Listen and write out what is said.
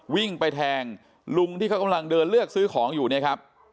วิ่งไปแทงลุงที่เขากำลังเดินเลือกซื้อของอยู่เนี่ยครับ